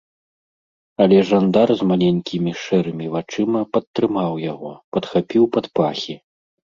Але жандар з маленькімі шэрымі вачыма падтрымаў яго, падхапіў пад пахі.